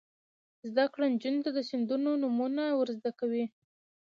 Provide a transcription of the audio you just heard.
زده کړه نجونو ته د سیندونو نومونه ور زده کوي.